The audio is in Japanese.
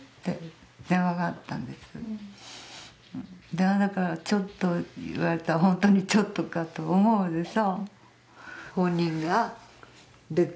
電話だから、ちょっとと言われたらホントにちょっとかと思うでしょ。